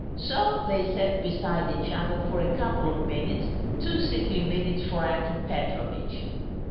So they sat beside each other for a couple of minutes two sickly minutes for Akim Petrovitch.